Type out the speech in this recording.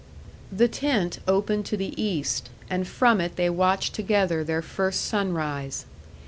The tent opened to the east, and from it they watched together their first sunrise.